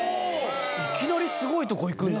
いきなりスゴいとこいくんだね。